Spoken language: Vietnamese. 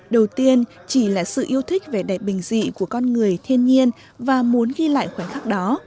đầu tiên chỉ là sự yêu thích vẻ đẹp bình dị của con người thiên nhiên và muốn ghi lại khoảnh khắc đó